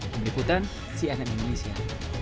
dari butan cnn indonesia